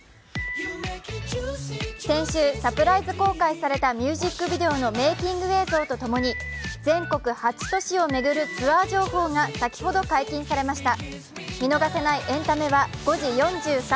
先週、サプライズ公開されたミュージックビデオのメーキング映像、全国８都市を巡るツアー情報が先ほど解禁されました。